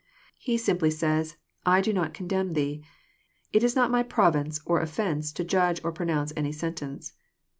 He simply says I do not condemn thee. It is not my province or offence to judge or pronounce any sentence."